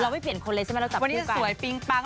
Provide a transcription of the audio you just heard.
เราไม่เปลี่ยนคนเลสใช่ไหมเราจับคู่กันวันนี้จะสวยปิ๊งปั๊ง